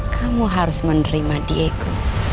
kamu harus menerima diego